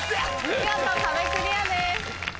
見事壁クリアです。